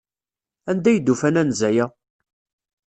Anda ay d-ufan anza-a?